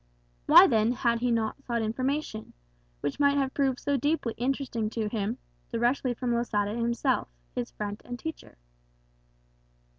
Why then had he not sought information, which might have proved so deeply interesting to him, directly from Losada himself, his friend and teacher?